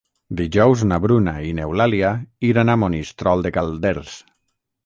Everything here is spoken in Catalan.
Dijous na Bruna i n'Eulàlia iran a Monistrol de Calders.